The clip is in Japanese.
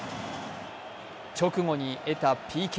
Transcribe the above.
直後に得たＰＫ。